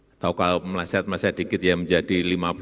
atau kalau meleset leset sedikit ya menjadi lima puluh empat